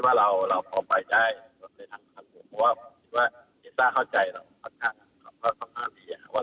เพราะว่าคิดว่าเฮซ่าเข้าใจแล้วว่าสภาพนี้ว่าเราทำอะไรไป